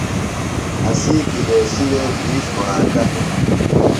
اسی کلیسیۡ وے بِھیش کُݨاکہ ہِنہ۔